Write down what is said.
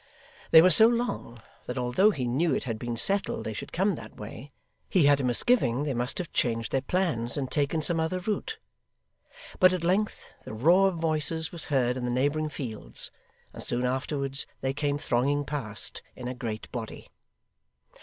They were so long, that although he knew it had been settled they should come that way, he had a misgiving they must have changed their plans and taken some other route. But at length the roar of voices was heard in the neighbouring fields, and soon afterwards they came thronging past, in a great body.